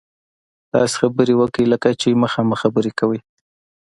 داسې خبرې وکړئ لکه چې مخامخ خبرې کوئ.